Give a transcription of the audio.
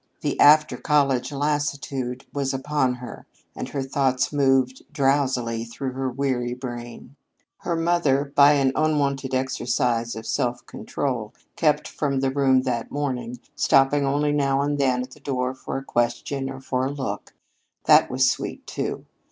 The after college lassitude was upon her and her thoughts moved drowsily through her weary brain. Her mother, by an unwonted exercise of self control, kept from the room that morning, stopping only now and then at the door for a question or a look. That was sweet, too.